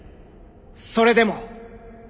それでも。